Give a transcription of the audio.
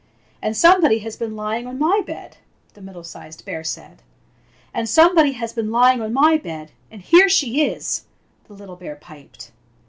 "And somebody has been lying on my bed!" the middle sized bear said. "And somebody has been lying on my bed, and here she isT^ the little bear piped.